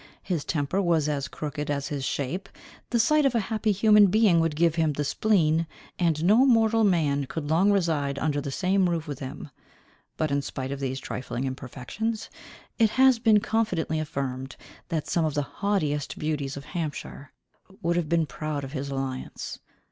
His temper was as crooked as his shape; the sight of a happy human being would give him the spleen; and no mortal man could long reside under the same roof with him. But in spite of these trifling imperfections, it has been confidently affirmed, that some of the haughtiest beauties of Hampshire would have been proud of his alliance.